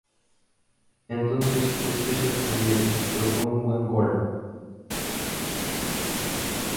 Entonces estoy sorprendido, pero fue un buen gol"".